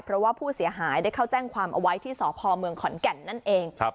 เพราะว่าผู้เสียหายได้เข้าแจ้งความเอาไว้ที่สพเมืองขอนแก่นนั่นเอง